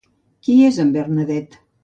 Qui és en Bernadet?